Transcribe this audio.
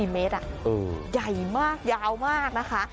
๔เมตรใหญ่มากยาวมากนะคะ